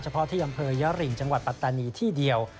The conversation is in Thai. เพราะที่อำเภอยริงจังหวัดปัตตานีที่เดียว